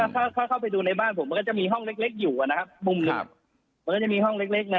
ถ้าถ้าเข้าไปดูในบ้านผมมันก็จะมีห้องเล็กเล็กอยู่นะครับมุมหนึ่งมันก็จะมีห้องเล็กเล็กนะ